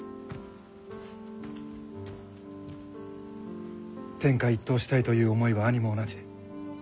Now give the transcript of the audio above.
天下一統したいという思いは兄も同じ。